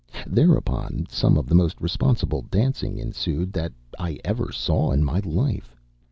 Thereupon, some of the most responsible dancing ensued that I ever saw in my life.